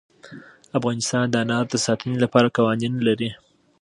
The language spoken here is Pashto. افغانستان د انار د ساتنې لپاره قوانین لري.